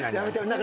何？